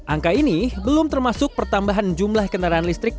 angka ini belum termasuk pertambahan jumlah kendaraan listrik